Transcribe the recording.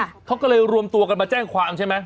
เขาก็เลยรวมตัวกันมาแจ้งความใช่ไหม